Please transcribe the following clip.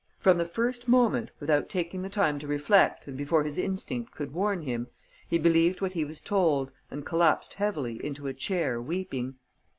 From the first moment, without taking the time to reflect and before his instinct could warn him, he believed what he was told and collapsed heavily into a chair, weeping.